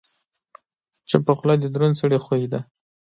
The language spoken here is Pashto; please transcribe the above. چپه خوله، د دروند سړي خوی دی.